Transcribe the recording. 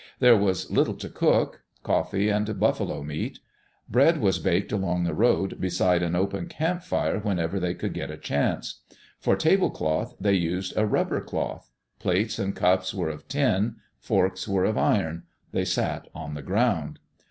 There was little to cook — coffee and buffalo meat. Bread was baked along the road beside an open campfire whenever they could get a chance. For table cloth, they used a rubber cloth. Plates and cups were of tin. Forks were of iron. They sat on the ground.